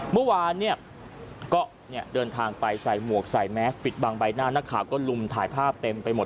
เมื่อวานเนี่ยก็เดินทางไปใส่หมวกใส่แมสปิดบังใบหน้านักข่าวก็ลุมถ่ายภาพเต็มไปหมด